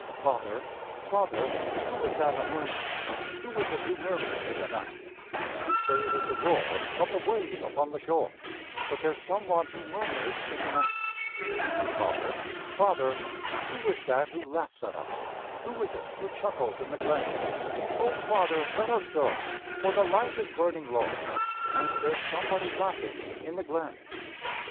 Father, father, who is that a murmuring? Who is it who murmurs in the night? You say it is the roar Of the wave upon the shore, But there's some one who murmurs in the night. Father, father, who is that who laughs at us? Who is it who chuckles in the glen? Oh, father, let us go, For the light is burning low, And there's somebody laughing in the glen.